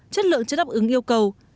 chất lượng chưa đáp ứng yêu cầu